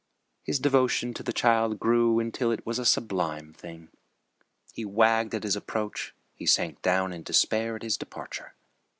His devotion to the child grew until it was a sublime thing. He wagged at his approach; he sank down in despair at his departure.